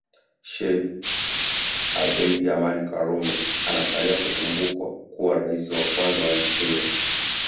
Sheikh Abeid Amani Karume anasalia kukumbukwa kuwa rais wa kwanza wa nchi hiyo